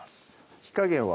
火加減は？